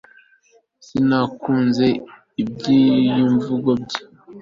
sinakunze ibyiyumvo bye